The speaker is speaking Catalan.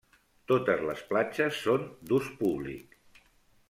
Totes les platges són d'ús públic.